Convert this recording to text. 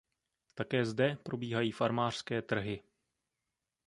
Také zde probíhají farmářské trhy.